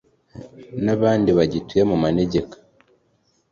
n’abandi bagituye mu manegeka